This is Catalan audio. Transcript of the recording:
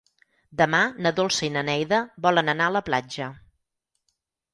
Demà na Dolça i na Neida volen anar a la platja.